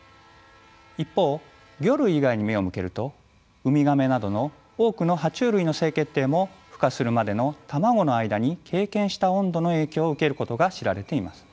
一方魚類以外に目を向けるとウミガメなどの多くの爬虫類の性決定もふ化するまでの卵の間に経験した温度の影響を受けることが知られています。